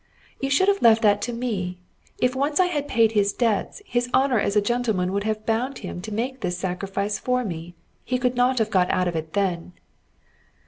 "You should have left that to me. If once I had paid his debts, his honour as a gentleman would have bound him to make this sacrifice for me; he could not have got out of it then."